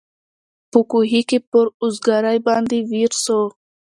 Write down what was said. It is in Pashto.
په کوهي کي پر اوزګړي باندي ویر سو